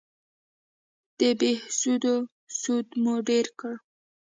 د بهسودو سود مو ډېر کړ